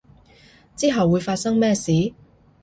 之後會發生咩事